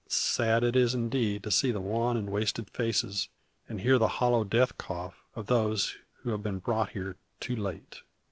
Sad it is indeed to see the wan and wasted faces, and hear the hollow death cough, of those who have been brought here too late.